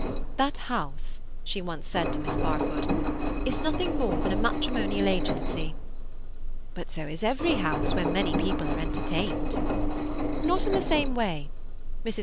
"That house," she once said to Miss Barfoot, "is nothing more than a matrimonial agency." "But so is every house where many people are entertained." "Not in the same way. Mrs.